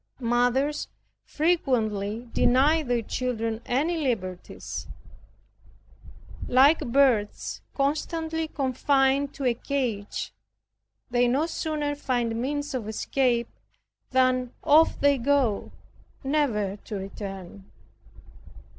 Mothers frequently deny their children any liberties. Like birds constantly confined to a cage, they no sooner find means of escape than off they go, never to return.